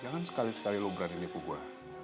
jangan sekali sekali lu berani nipu gua